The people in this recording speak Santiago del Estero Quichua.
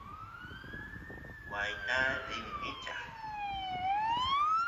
waayta rini michaqy